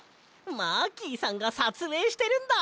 マーキーさんがさつえいしてるんだ。